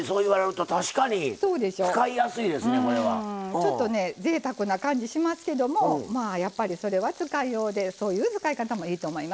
ちょっとねぜいたくな感じしますけどもまあやっぱりそれは使いようでそういう使い方もいいと思います。